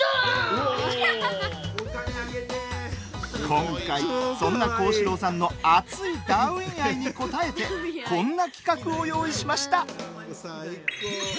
今回、そんな皓志郎さんの熱い「ダーウィン」愛に応えてこんな企画を用意しました。